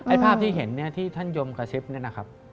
ไอ้ภาพที่เห็นที่ท่านยมกระซิบนี่นะครับ